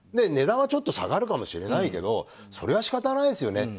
値段はちょっと下がるかもしれないけどそれは仕方ないですよね。